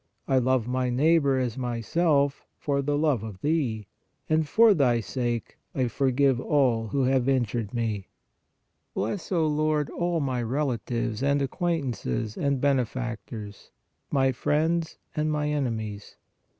I love my neighbor as myself for the love of Thee, and for Thy sake I forgive all who have injured me. 132 PRAYER Bless, O Lord, all my relatives and acquaintances and benefactors, my friends and my enemies.